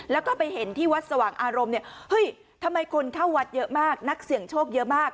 แล้วก็ไปเห็นที่วัดสว่างอารมณ์เนี่ยเฮ้ยทำไมคนเข้าวัดเยอะมากนักเสี่ยงโชคเยอะมาก